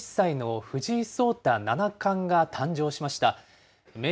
史上最年少２０歳の藤井聡太七冠が誕生しました。